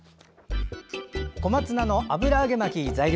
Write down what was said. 小松菜の油揚げ巻き材料